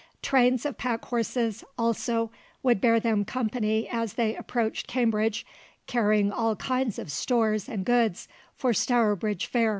Trains of pack horses also would bear them company as they approached Cambridge, carrying all kinds of stores and goods for Stourbridge Fair.